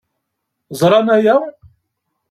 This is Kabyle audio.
Ẓran aya?